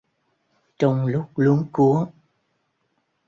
Trong lúc luống cuống